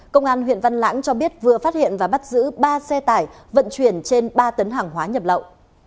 công an huyện văn lãng cho biết vừa phát hiện và bắt giữ ba xe tải vận chuyển trên ba tấn hàng hóa nhập lậu